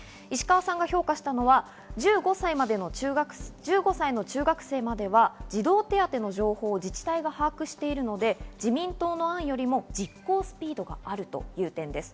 評価したのは１５歳までの中学生までは児童手当の情報を自治体が把握しているので、自民党の案よりも実行スピードがあるという点です。